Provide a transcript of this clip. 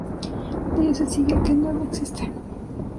De ello se sigue que nada existe.